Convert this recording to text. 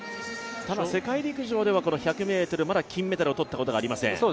ただ世界陸上ではこの１００ｍで金メダルをとったことがありません。